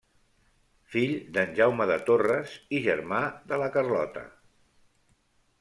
Fill d’en Jaume de Torres i germà de la Carlota.